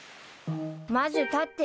まず立って。